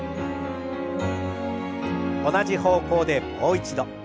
同じ方向でもう一度。